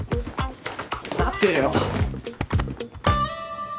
待てよ！